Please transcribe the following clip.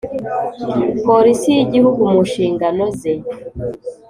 Polisi y Igihugu mu nshingano ze